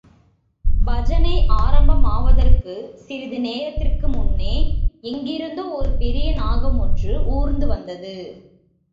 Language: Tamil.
பஜனை ஆரம்பமாவதற்கு சிறிது நேரத்திற்கு முன்னே எங்கிருந்தோ ஒரு பெரிய நாகம் ஒன்று ஊர்ந்து வந்தது.